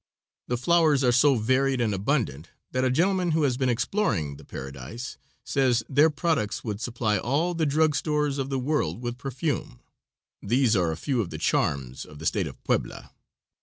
The flowers are so varied and abundant that a gentleman who has been exploring the paradise says their products would supply all the drug stores of the world with perfume. These are a few of the charms of the State of Puebla.